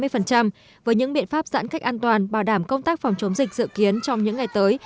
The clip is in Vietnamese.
với những biện pháp giãn cách an toàn bảo đảm công tác phòng chống dịch dự kiến trong những ngày tới